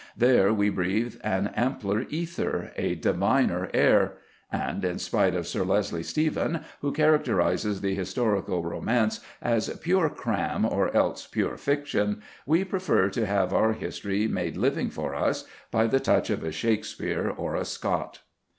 There we breathe an ampler ether, a diviner air," and in spite of Sir Leslie Stephen, who characterises the historical romance as "pure cram or else pure fiction," we prefer to have our history made living for us by the touch of a Shakespeare or a Scott.